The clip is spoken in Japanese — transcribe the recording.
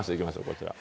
こちら。